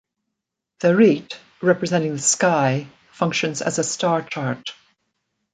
The rete, representing the sky, functions as a star chart.